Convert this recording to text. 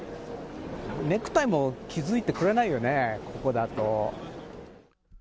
ネクタイも気付いてくれないよね、ここだと。